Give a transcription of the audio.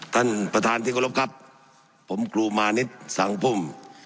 ท่านประธานที่เคารพครับผมครูมานิดสังพุ่ม